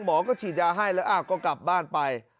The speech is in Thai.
หมอก็ฉีดยาให้แล้วก็กลับบ้านไป